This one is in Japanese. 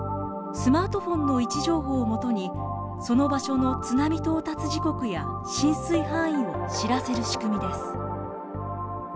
スマートフォンの位置情報をもとにその場所の津波到達時刻や浸水範囲を知らせる仕組みです。